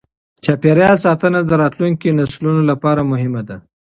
چاپیریال ساتنه د راتلونکې نسلونو لپاره مهمه ده.